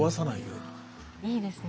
いいですね